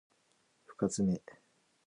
深爪